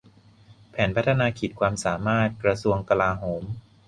แผนพัฒนาขีดความสามารถกระทรวงกลาโหม